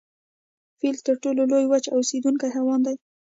فیل تر ټولو لوی وچ اوسیدونکی حیوان دی